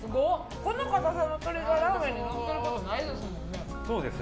このかたさの鶏がラーメンにのってることないですもんね。